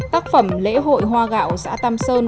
tác phẩm lễ hội hoa gạo xã tam sơn